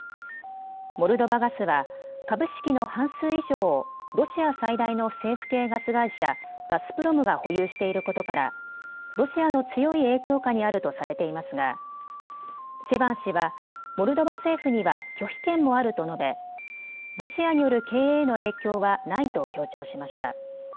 モルドバガスは株式の半数以上をロシア最大の政府系ガス会社、ガスプロムが保有していることからロシアの強い影響下にあるとされていますがチェバン氏はモルドバ政府には拒否権もあると述べロシアによる経営への影響はないと強調しました。